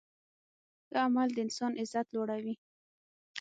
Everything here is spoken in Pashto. ښه عمل د انسان عزت لوړوي.